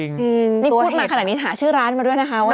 นี่พูดมาขนาดนี้หาชื่อร้านมาด้วยนะครับ